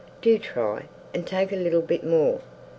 Do try, and take a little bit more.